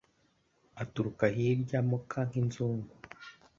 Aturuka hirya amoka nk'inzungu